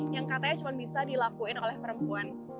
yang katanya cuma bisa dilakuin oleh perempuan